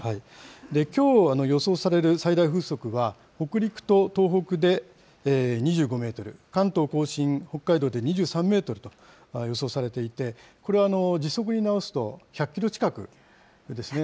きょう予想される最大風速は北陸と東北で２５メートル、関東甲信、北海道で２３メートルと予想されていて、これ、時速に直すと、１００キロ近くですね。